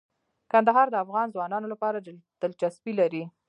کندهار د افغان ځوانانو لپاره دلچسپي لري.